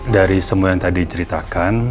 dari semua yang tadi ceritakan